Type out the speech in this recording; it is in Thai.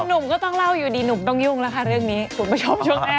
หนุ่มก็ต้องเล่าอยู่ดีหนุ่มต้องยุ่งแล้วค่ะเรื่องนี้คุณผู้ชมช่วงหน้า